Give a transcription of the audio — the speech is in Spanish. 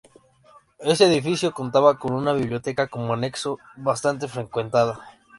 Este edificio contaba con una biblioteca como anexo, bastante frecuentada.